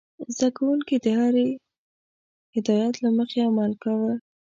زده کوونکي د هرې هدايت له مخې عمل کاوه.